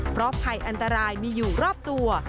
เพราะภัยอันตรายมีอยู่รอบตัว